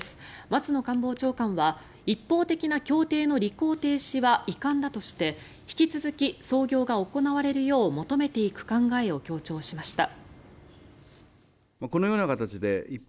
松野官房長官は一方的な協定の履行停止は遺憾だとして引き続き、操業が行われるよう求めていく考えを強調しました。